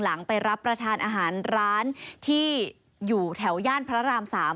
ไปรับประทานอาหารร้านที่อยู่แถวย่านพระราม๓